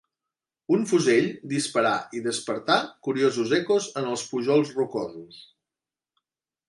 Un fusell disparà i despertà curiosos ecos en els pujols rocosos.